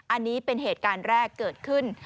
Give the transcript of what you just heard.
อันนี้เป็นเหตุการณ์แรกเกิดขึ้น